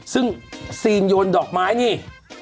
ซึ่งซีนโยนดอกไม้นี่